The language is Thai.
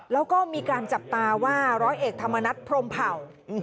แล้วก็มีการจับตาว่าร้อยเอกธรรมนัฐพรมเผ่า